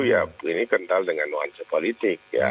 ya ini kental dengan nuansa politik ya